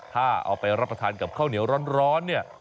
ถ้าเอาไปรับประทานกับข้าวเหนียวร้อนเนี่ย